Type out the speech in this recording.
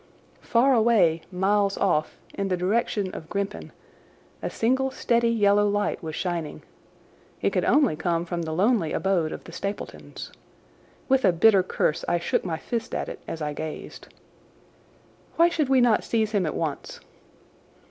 Far away, miles off, in the direction of Grimpen, a single steady yellow light was shining. It could only come from the lonely abode of the Stapletons. With a bitter curse I shook my fist at it as I gazed. "Why should we not seize him at once?"